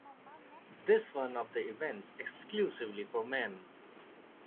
This is one of the events exclusively for men.